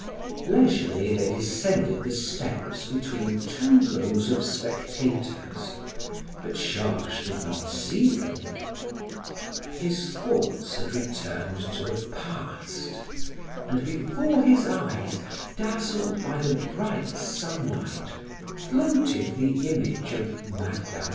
Leisurely they descended the steps between two rows of spectators, but Georges did not see them; his thoughts had returned to the past, and before his eyes, dazzled by the bright sunlight, floated the image of Mme.